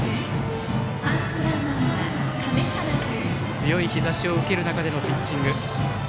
強い日ざしを受ける中でのピッチング。